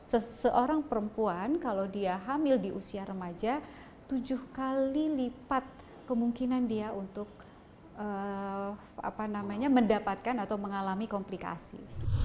seseorang perempuan kalau dia hamil di usia remaja tujuh kali lipat kemungkinan dia untuk mendapatkan atau mengalami komplikasi